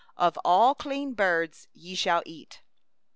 11Of all clean birds ye may eat.